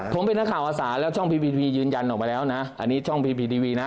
ผมเป็นนักข่าวอาสาแล้วช่องพีพีพียืนยันออกมาแล้วนะอันนี้ช่องพีพีทีวีนะ